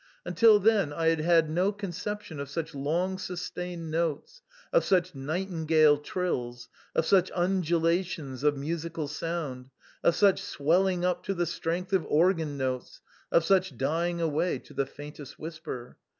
Until then I had had no conception of such long sustained notes, of such nightingale trills, of such undulations of musical sound, of such swelling up to the strength of organ notes, of such dying away to the faintest whisper.